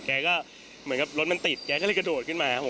แกก็เหมือนกับรถมันติดแกก็เลยกระโดดขึ้นมาครับผม